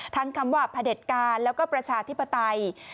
ทั้งคำว่าผดการณ์แล้วก็ประชาธิปไตย